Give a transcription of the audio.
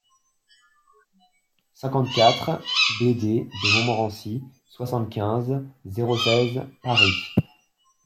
cinquante-quatre bD DE MONTMORENCY, soixante-quinze, zéro seize, Paris